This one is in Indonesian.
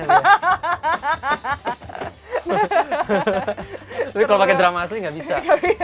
tapi kalau pakai drama asli nggak bisa